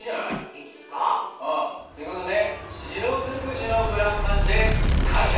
いいですか？ということで白尽くしの「ブランマンジェ」完成！